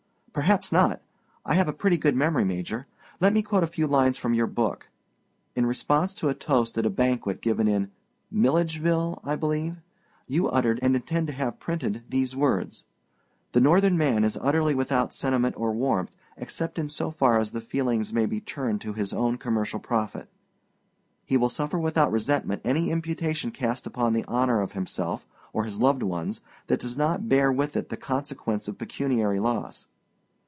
"Perhaps not. I have a pretty good memory, Major; let me quote a few lines from your book. In response to a toast at a banquet given in—Milledgeville, I believe—you uttered, and intend to have printed, these words: "'The Northern man is utterly without sentiment or warmth except in so far as the feelings may be turned to his own commercial profit. He will suffer without resentment any imputation cast upon the honor of himself or his loved ones that does not bear with it the consequence of pecuniary loss.